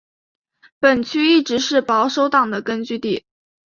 本区一直是保守党的根据地。